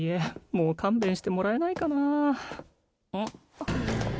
もう勘弁してもらえないかなあうん？